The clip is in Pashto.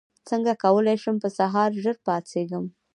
څنګه کولی شم په سهار ژر پاڅېږم